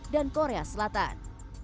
dan korea selatan